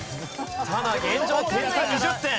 ただ現状点差２０点。